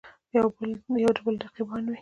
یودبل رقیبان وي.